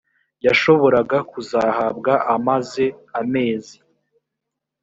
yashoboraga kuzahabwa amaze amezi